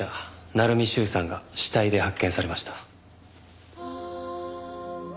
鳴海修さんが死体で発見されました。